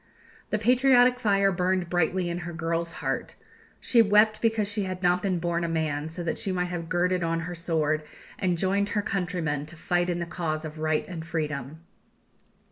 The patriotic fire burned brightly in her girl's heart. She wept because she had not been born a man, so that she might have girded on her sword, and joined her country men to fight in the cause of right and freedom.